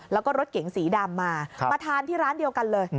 แล้วก็รถเก๋งสีดำมามาทานที่ร้านเดียวกันเลย